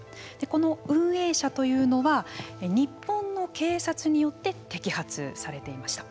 この運営者というのは日本の警察によって摘発されていました。